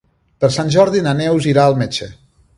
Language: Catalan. Per Sant Jordi na Neus irà al metge.